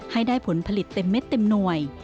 ให้ได้ผลผลิตเต็มเม็ดเต็มหน่วย